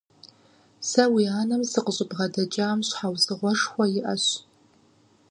Сэ уи анэм сыкъыщӀыбгъэдэкӀам щхьэусыгъуэшхуэ иӀэщ.